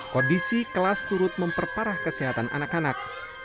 kondisi kelas turut memperparah kesehatan anak anak